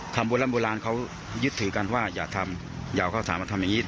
โบราณโบราณเขายึดถือกันว่าอย่าทำอย่าเอาข้าวสารมาทำอย่างนี้